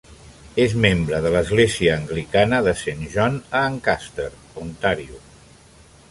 És membre de l'església anglicana de Saint John a Ancaster, Ontario.